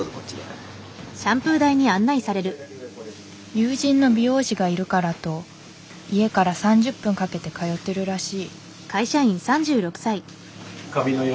友人の美容師がいるからと家から３０分かけて通ってるらしい。